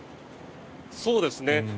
そうですね。